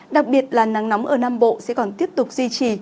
đặc biệt là nắng nóng ở nam bộ sẽ còn tiếp tục duy trì